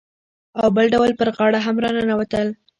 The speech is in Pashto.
او بل ډول پر غاړه هم راننوتل.